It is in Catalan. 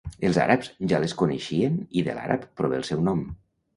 Els àrabs ja les coneixien i de l'àrab prové el seu nom.